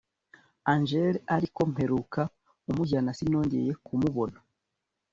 Angel ariko mperuka umujyana sinongoye kumubona